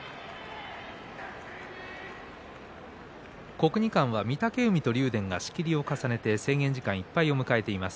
国技館は御嶽海と竜電が仕切りを重ねて制限時間いっぱいを迎えています。